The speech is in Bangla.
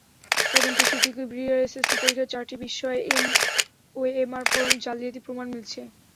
তদন্তে সিথি কিবরিয়ার এসএসসি পরীক্ষার চারটি বিষয়ে ওএমআর ফরম জালিয়াতির প্রমাণ মিলেছে।